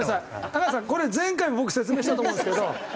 阿川さんこれ前回も僕説明したと思うんですけど。